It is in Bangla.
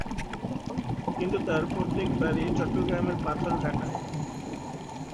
কিন্তু তার পৈত্রিক বাড়ি চট্টগ্রামের পাথরঘাটায়।